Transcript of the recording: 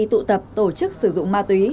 tụ tập tổ chức sử dụng ma túy